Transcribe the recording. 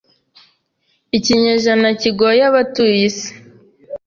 ikinyejana kigoye abatuye isi.